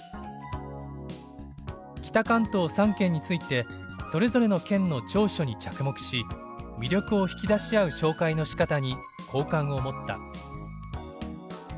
「北関東３県についてそれぞれの県の長所に着目し魅力を引き出し合う紹介のしかたに好感を持った」。